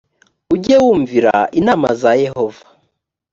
ujye wumvira inama za yehova